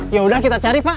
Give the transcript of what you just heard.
yaudah kita cari pak